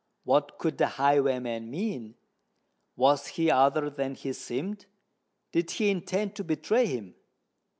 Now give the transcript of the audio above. What could the highwayman mean? Was he other than he seemed? Did he intend to betray him?